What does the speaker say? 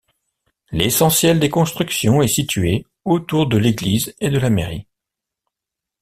L'essentiel des constructions est situé autour de l'église et de la mairie.